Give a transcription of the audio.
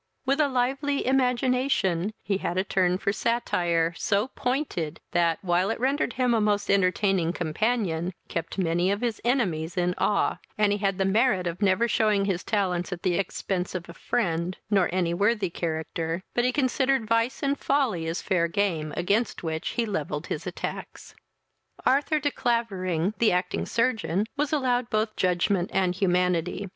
With a lively imagination, he had a turn for satire, so pointed, that, while it rendered him a most entertaining companion, kept many of his enemies in awe, and he had the merit of never shewing his talents at the expence of a friend, nor any worthy character; but he considered vice and folly as fair game, against which he levelled his attacks. Arthur de Clavering, the acting surgeon, was allowed both judgment and humanity.